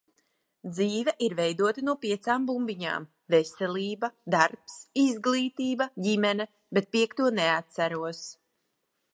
Dzīve ir veidota no piecām bumbiņām - veselība, darbs, izglītība, ģimene, bet piekto neatceros.